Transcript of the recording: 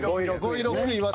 ５位６位は。